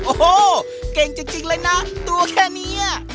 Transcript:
โอ้โหเก่งจริงเลยนะตัวแค่นี้